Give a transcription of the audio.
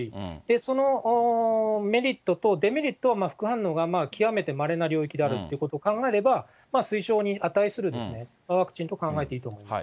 そのメリットと、デメリットは副反応が極めてまれな領域であるということを考えれば、推奨に値するワクチンと考えていいと思います。